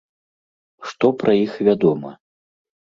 Што пра іх вядома?